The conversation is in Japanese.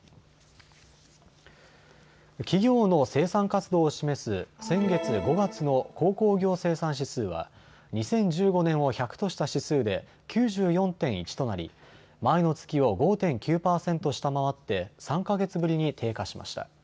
企業の生産活動を示す先月５月の鉱工業生産指数は２０１５年を１００とした指数で９４．１となり前の月を５．９％下回って３か月ぶりに低下しました。